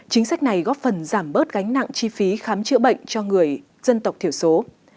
chính sách này góp phần giảm bớt gánh nặng chi phí khám chữa bệnh cho người dân tộc thiểu số